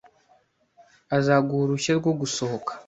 Azaguha uruhushya rwo gusohoka